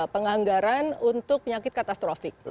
penganggaran untuk penyakit katastrofik